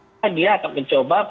dia akan mencoba